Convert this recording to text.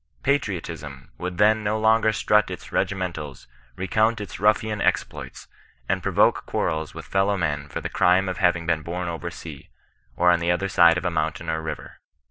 Patriotism would then no longer strut in regimentals, re count its ruffian exploits, and provoke quarrels with fel low men for the crime of having been bom over sea, or on the other side of a mountain or river.